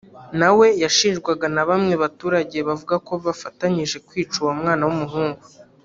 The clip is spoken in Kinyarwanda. na we yashinjwaga na bamwe baturage bavuga ko bafatanyije kwica uwo mwana w’umuhungu